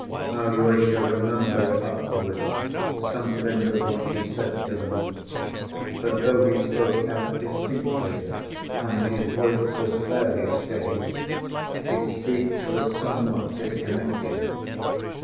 Alyosha remembered afterwards something of what he said to them. But though he spoke out distinctly and his voice was fairly steady, his speech was somewhat disconnected.